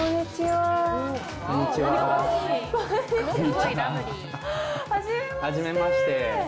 はじめまして。